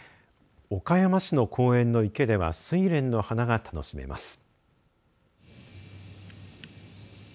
岡山市の公園の池ではスイレンの花が楽しめます。